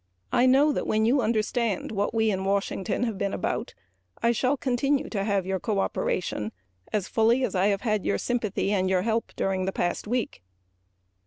I know that when you understand what we in Washington have been about I shall continue to have your cooperation as fully as I have had your sympathy and help during the past week.